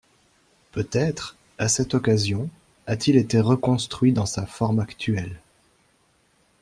Peut-être, à cette occasion, a t-il été reconstruit dans sa forme actuelle.